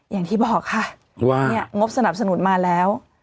อย่างที่บอกค่ะงบสนับสนุนมาแล้ว